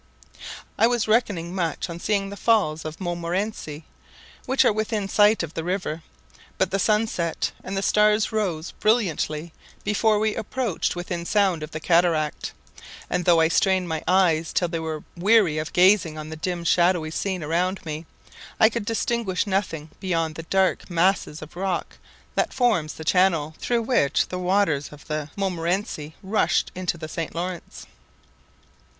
I was reckoning much on seeing the falls of Montmorenci, which are within sight of the river; but the sun set, and the stars rose brilliantly before we approached within sound of the cataract; and though I strained my eyes till they were weary of gazing on the dim shadowy scene around me, I could distinguish nothing beyond the dark masses of rock that forms the channel through which the waters of the Montmorenci rush into the St. Laurence.